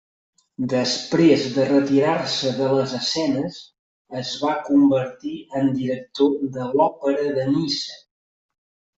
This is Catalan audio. Després de retirar-se de les escenes, es va convertir en director de l'Òpera de Niça.